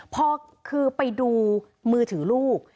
พอคือไปดูมือถือลูก